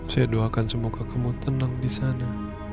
saya doakan semoga kamu tenang di sana